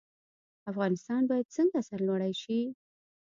افغانستان باید څنګه سرلوړی شي؟